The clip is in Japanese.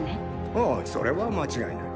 ああそれは間違いない。